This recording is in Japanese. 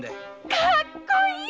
かっこいい！